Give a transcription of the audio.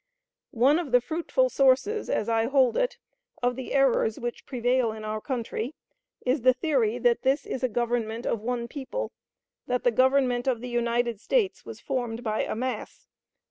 One of the fruitful sources, as I hold it, of the errors which prevail in our country, is the theory that this is a Government of one people; that the Government of the United States was formed by a mass.